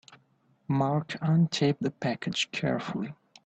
Mark untaped the package carefully.